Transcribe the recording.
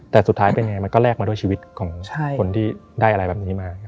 แต่สุดท้ายเป็นยังไงมันก็แลกมาด้วยชีวิตของคนที่ได้อะไรแบบนี้มา